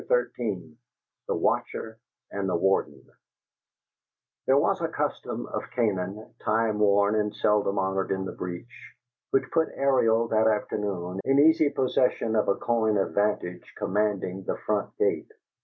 XIII THE WATCHER AND THE WARDEN There was a custom of Canaan, time worn and seldom honored in the breach, which put Ariel, that afternoon, in easy possession of a coign of vantage commanding the front gate.